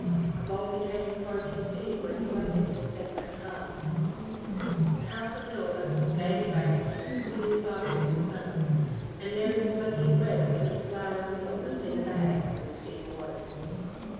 A bowl containing porridge for Steve when he wakened was set by the hearth. The house was in order, Davey bathed, and put in his basket in the sun, and Mary was making bread of the little flour and meal left in the bags, when Steve awoke.